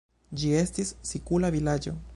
Ĝi estis sikula vilaĝo.